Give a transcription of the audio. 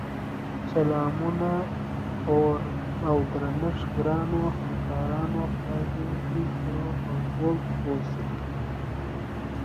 سلامونه اودرنښت ګراونوهمکارانو خدای دی وکړی چی روغ اوجوړبه اووسی